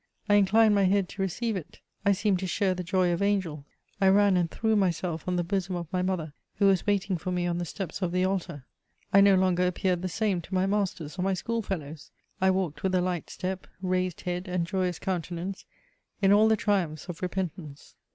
I inclined my head to receive it : I seemed to share the joy of angels. I ran and threw myself on the bosom of my mother, who was waiting for me on the steps of the altar. I no longer appeared the same to my masters or my schoolfellows. I walked with a light step, raised head and joyous countenance, in all the triumphs of repentance.